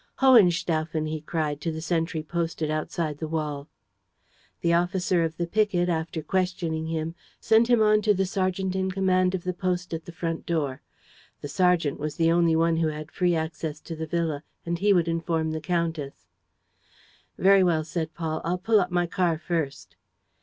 "Hohenstaufen!" he cried to the sentry posted outside the wall. The officer of the picket, after questioning him, sent him on to the sergeant in command of the post at the front door. The sergeant was the only one who had free access to the villa; and he would inform the countess. "Very well," said Paul. "I'll put up my car first."